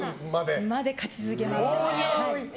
それまで勝ち続けます。